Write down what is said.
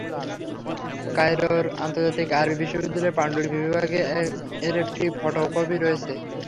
কায়রোর আন্তর্জাতিক আরবী বিশ্ববিদ্যালয়ের পাণ্ডুলিপি বিভাগে এর একটি ফটো কপি রয়েছে।